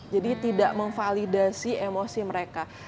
jadi tidak memvalidasi emosi mereka